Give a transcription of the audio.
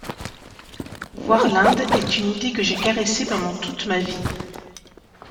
Voir l’Inde est une idée que j’ai caressée pendant toute ma vie.